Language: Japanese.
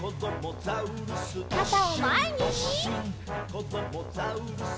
「こどもザウルス